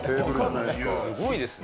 すごいですね。